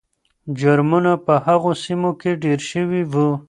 جرمونه په هغو سیمو کې ډېر شوي وو.